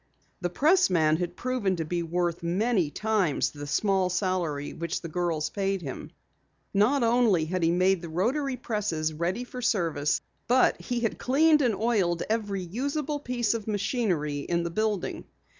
The pressman had proven to be worth many times the small salary which the girls paid him. Not only had he made the rotary presses ready for service, but he had cleaned and oiled every useable piece of machinery in the building.